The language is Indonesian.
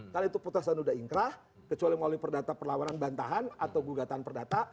karena itu putusan sudah ingkrah kecuali melalui perdata perlawanan bantahan atau gugatan perdata